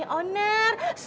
saya pengusaha sukses loh